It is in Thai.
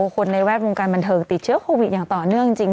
คนในแวดวงการบันเทิงติดเชื้อโควิดอย่างต่อเนื่องจริง